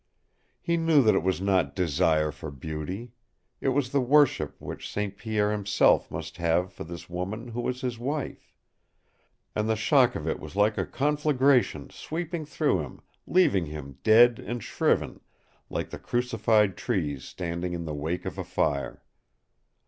He knew that it was not desire for beauty. It was the worship which St. Pierre himself must have for this woman who was his wife. And the shock of it was like a conflagration sweeping through him, leaving him dead and shriven, like the crucified trees standing in the wake of a fire.